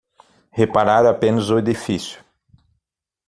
Reparar apenas o edifício